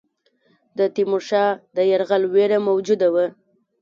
د تیمورشاه د یرغل وېره موجوده وه.